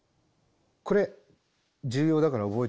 これ重要だから覚えておいて下さい。